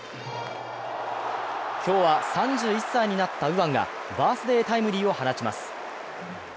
今日は、３１歳になった右腕がバースデータイムリーを放ちます。